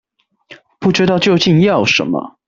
不知道究竟要什麼